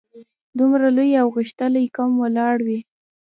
دومره لوی او غښتلی قوم ولاړ وي.